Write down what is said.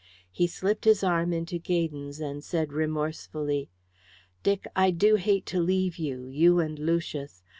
He slipped his arm into Gaydon's and said remorsefully, "Dick, I do hate to leave you, you and Lucius.